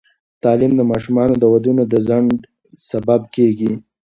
تعلیم د ماشومانو د ودونو د ځنډ سبب کېږي.